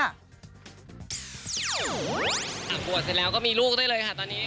บวชเสร็จแล้วก็มีลูกได้เลยค่ะตอนนี้